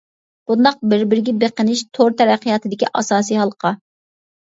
بۇنداق بىر بىرىگە بېقىنىش تور تەرەققىياتىدىكى ئاساسى ھالقا.